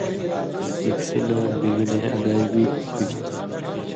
بِکسی نہ بِگنَیں ادائیگی لُکُھژیۡ تھی